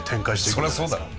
そりゃそうだろお前。